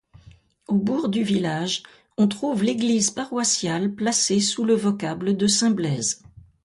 Au bourg du village, on trouve l'église paroissiale placée sous le vocable de Saint-Blaise.